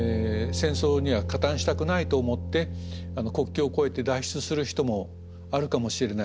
戦争には加担したくないと思って国境を越えて脱出する人もあるかもしれない。